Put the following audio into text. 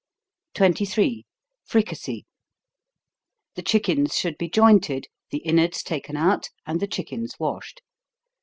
23. Fricassee. The chickens should be jointed, the inwards taken out, and the chickens washed.